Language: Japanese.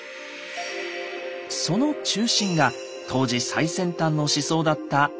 その中心が当時最先端の思想だった「仏教」です。